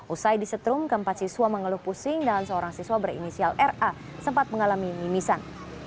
usai disetrum keempat siswa mengeluh pusing dan seorang siswa berinisial ra sempat mengalami mimisan